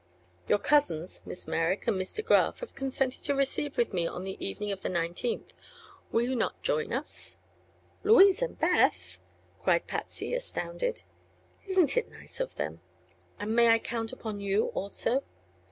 "Your cousins, Miss Merrick and Miss De Graf, have consented to receive with me on the evening of the nineteenth. Will you not join us?" "Louise and Beth!" cried Patsy, astounded. "Isn't it nice of them? And may I count upon you, also?"